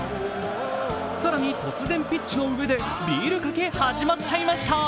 更に突然、ピッチの上でビールかけ始まっちゃいました。